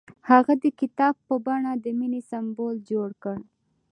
هغه د کتاب په بڼه د مینې سمبول جوړ کړ.